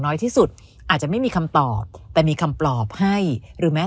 น้อยที่สุดอาจจะไม่มีคำตอบแต่มีคำปลอบให้หรือแม้